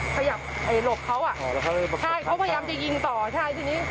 พยับเอ่ยหลบเขาอ่ะอ๋อแล้วเขาเลยใช่เขาพยายามจะยิงต่อใช่ทีนี้